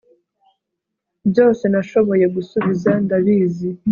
byose nashoboye gusubiza. ndabizi